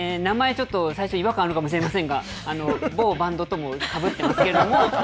ちょっと違和感あるかもしれませんが某バンドともかぶっていますけれども。